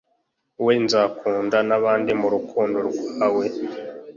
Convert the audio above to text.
we, nzakunda n'abandi mu rukundo rwawe